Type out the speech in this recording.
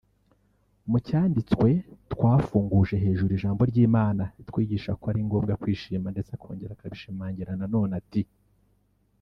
Mu cyanditswe twafunguje hejuru ijambo ry’Imana ritwigisha ko ari ngombwa kwishima ndetse akongera akabishimangira na none ati